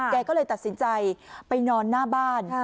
แกก็เลยตัดสินใจไปนอนหน้าบ้าน